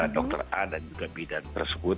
dokter a dan juga b dan tersebut